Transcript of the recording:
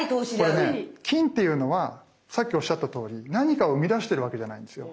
これね金っていうのはさっきおっしゃったとおり何かをうみだしてるわけじゃないんですよ。